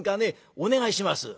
お願いします」。